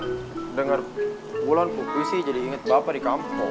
saya dengar bulan puisi jadi ingat bapak di kampung